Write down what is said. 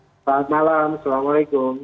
selamat malam assalamualaikum